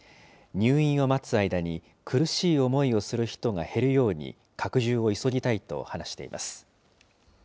入院を待つ間に、苦しい思いをする人が減るように拡充を急ぎたいと話しています。